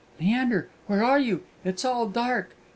"Leander, where are you? It's all dark!